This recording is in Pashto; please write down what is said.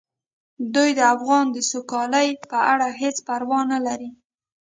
دوی د افغان د سوکالۍ په اړه هیڅ پروا نه لري.